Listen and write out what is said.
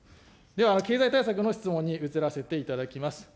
では、経済対策の質問に移らせていただきます。